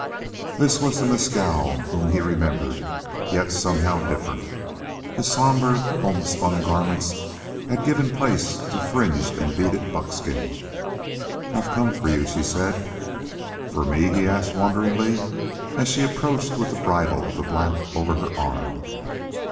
This was the Mescal whom he remembered, yet somehow different. The sombre homespun garments had given place to fringed and beaded buckskin. "I've come for you," she said. "For me?" he asked, wonderingly, as she approached with the bridle of the black over her arm.